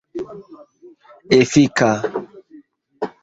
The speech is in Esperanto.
efika